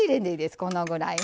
このぐらいね。